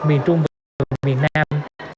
miền trung và miền nam